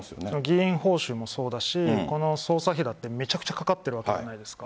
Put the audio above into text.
議員報酬もそうだしこの捜査費だってめちゃくちゃかかっているわけじゃないですか。